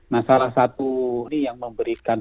nah salah satu ini yang memberikan